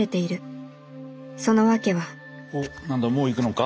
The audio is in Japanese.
その訳はおっ何だもう行くのか？